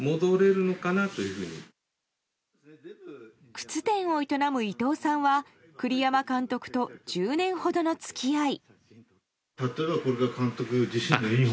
靴店を営む伊藤さんは栗山監督と１０年ほどの付き合い。